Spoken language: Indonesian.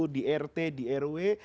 di rt di rw